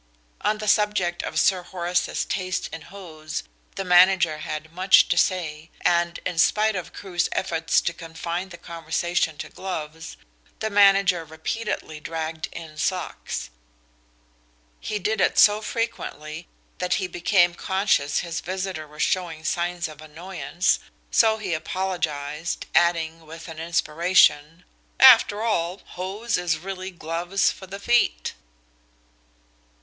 On the subject of Sir Horace's taste in hose the manager had much to say, and, in spite of Crewe's efforts to confine the conversation to gloves, the manager repeatedly dragged in socks. He did it so frequently that he became conscious his visitor was showing signs of annoyance, so he apologised, adding, with an inspiration, "After all, hose is really gloves for the feet."